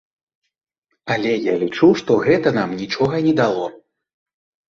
Але я лічу што гэта нам нічога не дало.